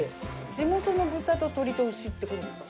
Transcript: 地元の豚と鶏と牛って事ですか？